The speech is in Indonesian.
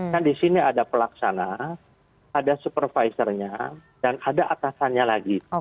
kan di sini ada pelaksana ada supervisornya dan ada atasannya lagi